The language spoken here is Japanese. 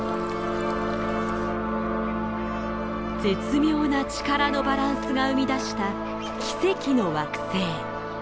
絶妙な力のバランスが生み出した奇跡の惑星。